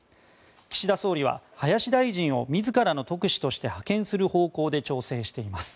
岸田総理は林大臣を自らの特使として派遣する方向で調整しています。